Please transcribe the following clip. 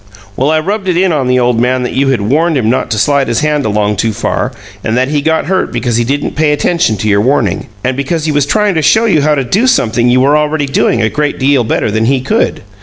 "Well, I rubbed it in on the old man that you had warned him not to slide his hand along too far, and that he got hurt because he didn't pay attention to your warning, and because he was trying to show you how to do something you were already doing a great deal better than he could.